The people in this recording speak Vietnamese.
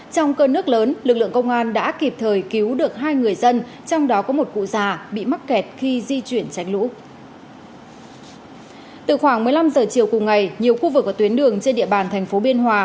sáng giờ chiều cùng ngày nhiều khu vực và tuyến đường trên địa bàn thành phố biên hòa